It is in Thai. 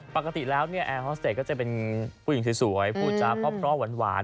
ปกติแล้วแอร์ฮอสเตคก็จะเป็นผู้หญิงสวยพูดเจ้าเพราะเพราะหวาน